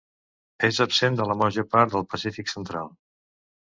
És absent de la major del Pacífic central.